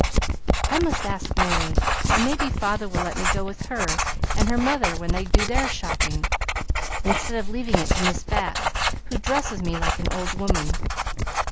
"I must ask Merry, and may be father will let me go with her and her mother when they do their shopping, instead of leaving it to Miss Bat, who dresses me like an old woman.